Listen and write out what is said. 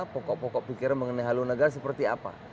pokok pokok pikiran mengenai haluan negara seperti apa